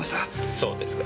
そうですか。